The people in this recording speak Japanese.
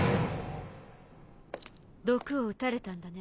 毒を打たれたんだね。